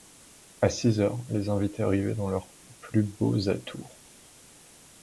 À six heures, les invités arrivaient dans leurs plus beaux atours.